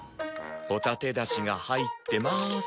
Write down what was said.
ホタテだしが入ってまーす。